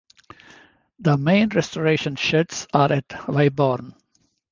The main restoration sheds are at Weybourne.